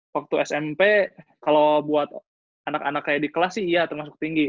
waktu smp kalau buat anak anak kayak di kelas sih iya termasuk tinggi